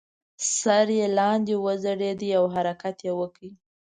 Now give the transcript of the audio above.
سر یې لاندې وځړید او حرکت یې وکړ.